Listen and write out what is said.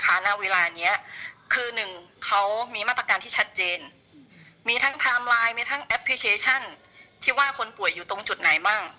ณเวลานี้คือหนึ่งเขามีมาตรการที่ชัดเจนมีทั้งไทม์ไลน์มีทั้งแอปพลิเคชันที่ว่าคนป่วยอยู่ตรงจุดไหนบ้าง